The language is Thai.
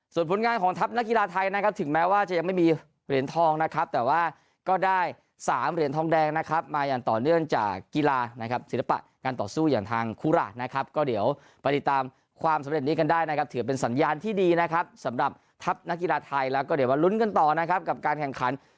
ส่วนผลงานของทัพนักกีฬาไทยนะครับถึงแม้ว่าจะยังไม่มีเหรียญทองนะครับแต่ว่าก็ได้๓เหรียญทองแดงนะครับมาอย่างต่อเนื่องจากกีฬานะครับศิลปะการต่อสู้อย่างทางคุราชนะครับก็เดี๋ยวไปติดตามความสำเร็จนี้กันได้นะครับถือเป็นสัญญาณที่ดีนะครับสำหรับทัพนักกีฬาไทยแล้วก็เดี๋ยวมาลุ้นกันต่อนะครับกับการแข่งขัน